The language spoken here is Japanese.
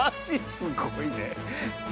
すごいな。